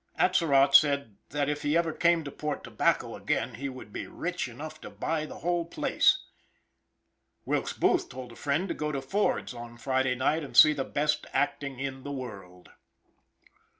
Atzerott said that if he ever came to Port Tobacco again he would be rich enough to buy the whole place. Wilkes Booth told a friend to go to Ford's on Friday night and see the best acting in the world.